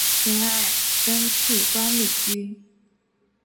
钱尔登去官里居。